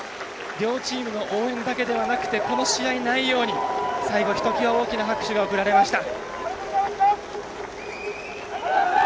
両チームの応援だけじゃなくてこの試合内容に最後、ひときわ大きな拍手が送られました。